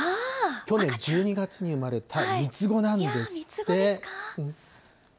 去年１２月に生まれた３つ子なんですって。